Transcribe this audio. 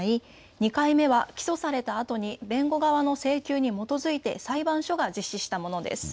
２回目は起訴されたあとに弁護側の請求に基づいて裁判所が実施したものです。